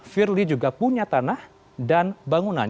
firly juga punya tanah dan bangunan